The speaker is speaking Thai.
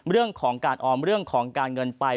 เรื่องของการออมเรื่องของการเงินไป